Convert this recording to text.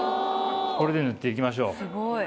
これで縫っていきましょう。